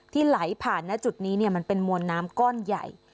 ไหลผ่านณจุดนี้มันเป็นมวลน้ำก้อนใหญ่